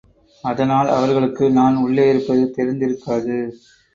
அதனால் அவர்களுக்கு நான் உள்ளே இருப்பது தெரிந்திருக்காது.